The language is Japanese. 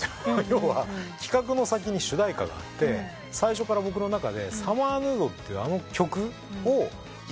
要は企画の先に主題歌があって最初から僕の中で『サマーヌード』ってあの曲をイメージして。